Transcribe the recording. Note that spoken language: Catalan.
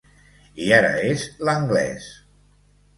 I ara és l’anglès!